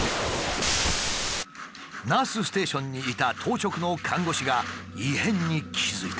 ナースステーションにいた当直の看護師が異変に気付いた。